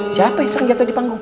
siapa yang jatuh di panggung